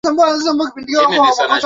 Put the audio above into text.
Kumbe wewe ni mrefu?